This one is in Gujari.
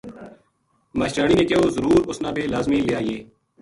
ماشٹریانی نے کہیو ضرور اُس نا بے لازمی لے آیئے